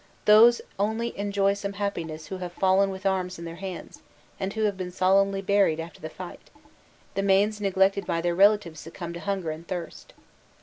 Those only enjoy some happiness who have fallen with arms in their hands, and who have been solemnly buried after the fight; the manes neglected by their relatives succumb to hunger and thirst.